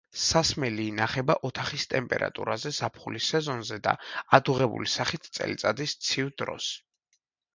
სასმელი ინახება ოთახის ტემპერატურაზე ზაფხულის სეზონზე და ადუღებული სახით წელიწადის ცივ დროს.